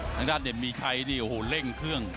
ทางด้านเด่นมีชัยนี่โอ้โหเร่งเครื่อง